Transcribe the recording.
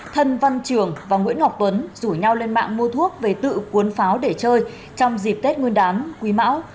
thân văn trường và nguyễn ngọc tuấn rủ nhau lên mạng mua thuốc về tự cuốn pháo để chơi trong dịp tết nguyên đán quý mão